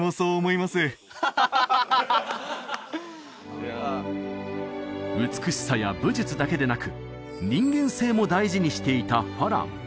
俺美しさや武術だけでなく人間性も大事にしていた花郎